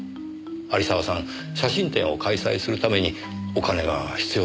有沢さん写真展を開催するためにお金が必要だったようですよ。